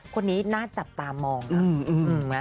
คนนี้น่าจับตามองค่ะ